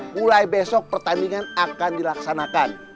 mulai besok pertandingan akan dilaksanakan